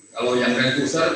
kalau yang rencruiser